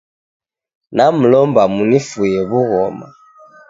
Namlomba munifue w'ughoma